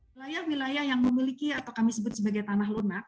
wilayah wilayah yang memiliki atau kami sebut sebagai tanah lunak